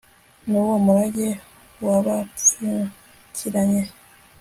n'uwo murage wabapfukiranye